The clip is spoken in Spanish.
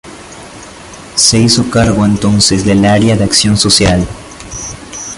Se hizo cargo entonces del área de Acción Social.